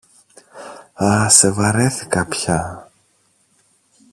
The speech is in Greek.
Α, σε βαρέθηκα πια!